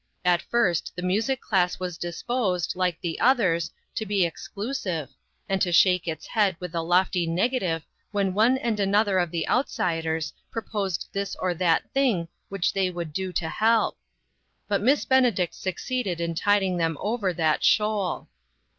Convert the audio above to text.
At first, the music class was disposed, like the others, to be exclusive, and to shake its head with a lofty negative when one and another of the outsiders proposed this or that thing which 1 86 INTERRUPTED. they would do to help. But Miss Benedict succeeded in tiding them over that shoal.